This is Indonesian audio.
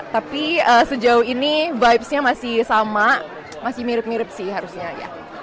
tapi sejauh ini vibesnya masih sama masih mirip mirip sih harusnya ya